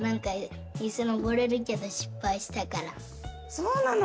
そうなの？